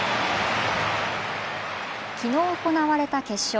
きのう行われた決勝。